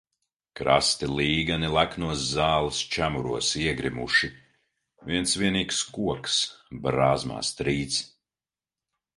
Krasti līgani leknos zāles čemuros iegrimuši, viens vienīgs koks brāzmās trīc.